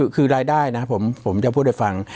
คือรายได้นะผมจะพูดให้ฟัง